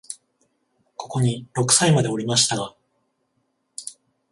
ここに六歳までおりましたが、